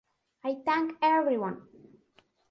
I thank everyone.